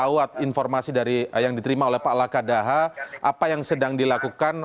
awal informasi yang diterima oleh pak lakadaha apa yang sedang dilakukan